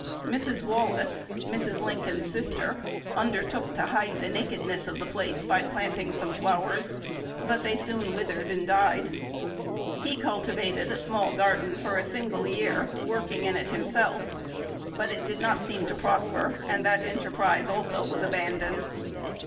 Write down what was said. Mrs. Wallace, Mrs. Lincoln's sister, undertook "to hide the nakedness" of the place by planting some flowers; but they soon withered and died. He cultivated a small garden for a single year, working in it himself; but it did not seem to prosper, and that enterprise also was abandoned.